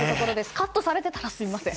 カットされてたらすみません。